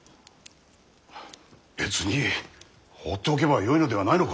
別に放っておけばよいのではないのか。